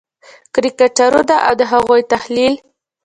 کرکټرونه او د هغوی تحلیل: